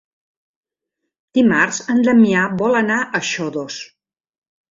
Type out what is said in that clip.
Dimarts en Damià vol anar a Xodos.